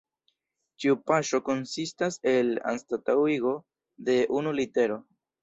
Ĉiu paŝo konsistas el anstataŭigo de unu litero.